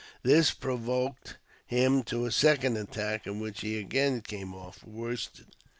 This provoked him to a second attack, in which he again came off worsted.